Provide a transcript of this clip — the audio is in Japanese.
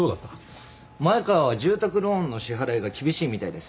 前川は住宅ローンの支払いが厳しいみたいです。